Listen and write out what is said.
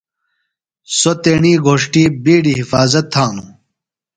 سوۡ تیݨی گھوݜٹی بِیڈیۡ حفاظت تھانوۡ۔